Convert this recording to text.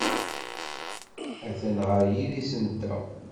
Atan ɣer yidis-nteɣ.